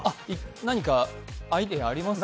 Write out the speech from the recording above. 何かアイデアありますか？